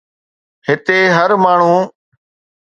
هتي هر ماڻهو